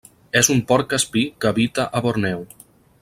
És un porc espí que habita a Borneo.